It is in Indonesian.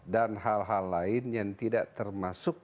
dan hal hal lain yang tidak termasuk